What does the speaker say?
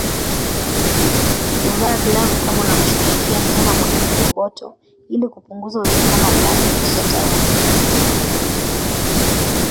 Vaa glavu kama unamshughulikia mnyama mwenye viroboto ili kupunguza uwezekano wa kuambukizwa tauni